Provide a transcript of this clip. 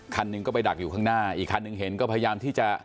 คันหนึ่งก็ไปดักอยู่ข้างหน้าอีกคันหนึ่งเห็นก็พยายามที่จะ